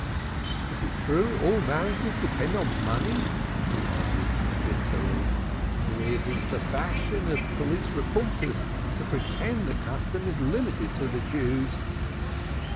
It is true all marriages depend on money," he added bitterly, "only it is the fashion of police court reporters to pretend the custom is limited to the Jews."